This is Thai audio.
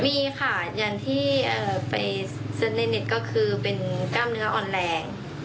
มีค่ะอย่างที่ไปเซ็นในเน็ตก็คือเป็นกล้ามเนื้ออ่อนแรง